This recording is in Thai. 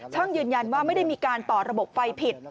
ยืนยันว่าไม่ได้มีการต่อระบบไฟผิด